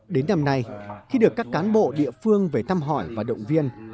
đến năm nay khi được các cán bộ địa phương về thăm hỏi và động viên